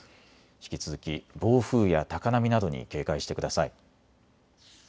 引き続き暴風や高波などに警戒してください。